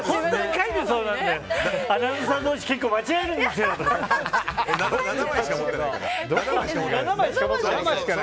アナウンサー同士結構間違えるんですよとか。